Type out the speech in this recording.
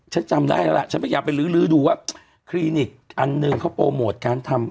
ฉันจำได้แล้วล่ะฉันพยายามไปลื้อดูว่าคลินิกอันหนึ่งเขาโปรโมทการทำ